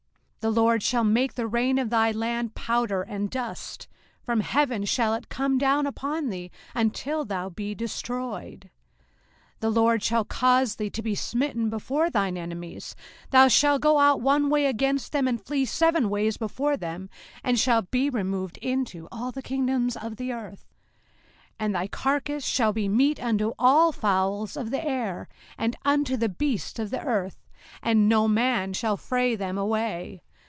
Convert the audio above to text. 05:028:024 The LORD shall make the rain of thy land powder and dust: from heaven shall it come down upon thee, until thou be destroyed. 05:028:025 The LORD shall cause thee to be smitten before thine enemies: thou shalt go out one way against them, and flee seven ways before them: and shalt be removed into all the kingdoms of the earth. 05:028:026 And thy carcase shall be meat unto all fowls of the air, and unto the beasts of the earth, and no man shall fray them away.